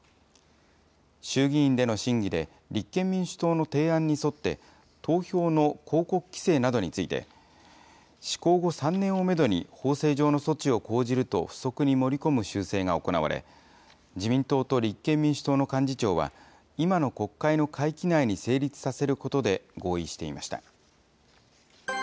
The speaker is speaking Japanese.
衆議院での審議で、立憲民主党の提案に沿って、投票の広告規制などについて、施行後３年をメドに、法制上の措置を講じると、付則に盛り込む修正が行われ、自民党と立憲民主党の幹事長は、今の国会の会期内に成立させることで合意していました。